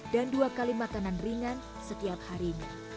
dan dua kali makanan ringan setiap harinya